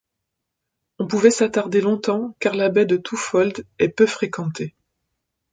On pouvait s’attarder longtemps, car la baie de Twofold est peu fréquentée.